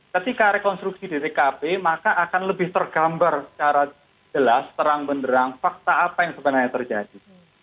ketika rekonstruksi di tkp maka akan lebih tergambar secara jelas terang benderang fakta apa yang sebenarnya terjadi